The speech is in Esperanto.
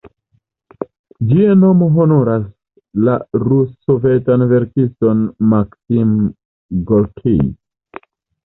Ĝia nomo honoras la rus-sovetan verkiston Maksim Gorkij.